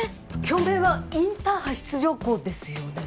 京明はインターハイ出場校ですよね？